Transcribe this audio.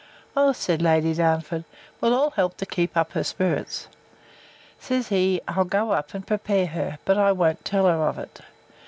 O, said Lady Darnford, we'll all help to keep up her spirits. Says he, I'll go up, and prepare her; but won't tell her of it.